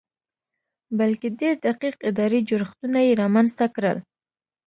بلکې ډېر دقیق اداري جوړښتونه یې رامنځته کړل